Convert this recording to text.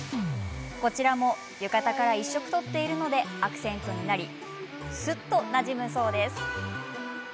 こちらも浴衣から一色、取っているのでアクセントになりすっと、なじむんだそう。